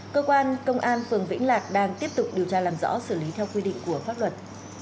cơ quan công an phường vĩnh lạc đang tiếp tục điều tra làm rõ xử lý theo quy định của pháp luật